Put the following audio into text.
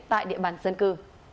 tại địa bàn dân cư